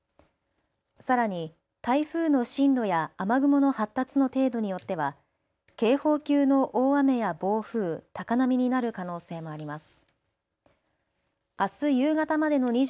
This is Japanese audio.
さらに台風の進路や雨雲の発達の程度によっては警報級の大雨や暴風、高波になる可能性もあります。